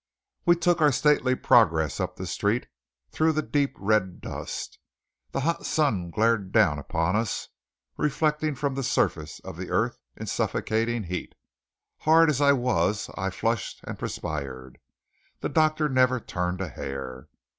We took our stately progress up the street, through the deep red dust. The hot sun glared down upon us, reflecting from the surface of the earth in suffocating heat. Hard as I was, I flushed and perspired. The doctor never turned a hair.